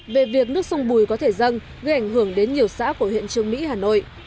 về việc nước sông bùi có thể dâng gây ảnh hưởng đến nhiều xã của huyện trương mỹ hà nội